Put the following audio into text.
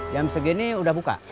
jam segini udah buka